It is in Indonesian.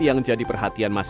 yang jadi perhatian maksimalnya